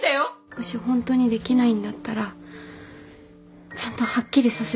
もしホントにできないんだったらちゃんとはっきりさせた。